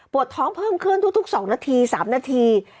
ท้องเพิ่มขึ้นทุก๒นาที๓นาที